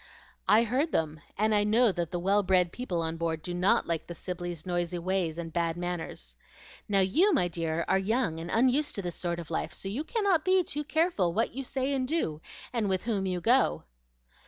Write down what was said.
"I heard them, and I know that the well bred people on board do not like the Sibleys' noisy ways and bad manners. Now, you, my dear, are young and unused to this sort of life; so you cannot be too careful what you say and do, and with whom you go."